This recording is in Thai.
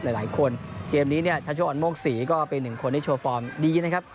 หลายคนเกมนี้เนี่ยชัชโกอันโมกศรีก็เป็นหนึ่งคนที่โชว์ฟอร์มดีนะครับ